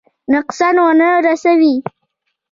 نقصان ونه رسوي.